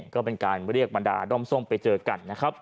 ก็เป็นการเรียกบรรดาดล่อมส้มไปเจอกัน